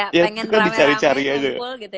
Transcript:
pengen rame rame ngumpul gitu ya